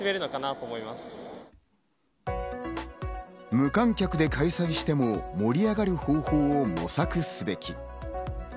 無観客で開催しても盛り上がる方法を模索すべき。